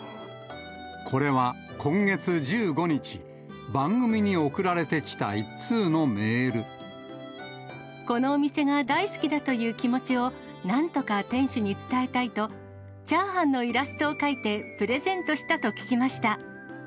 これは今月１５日、番組に送られこのお店が大好きだという気持ちを、なんとか店主に伝えたいと、チャーハンのイラストを描いてプレゼントしたと聞きました。